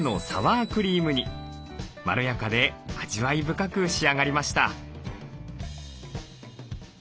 まろやかで味わい深く仕上がりました。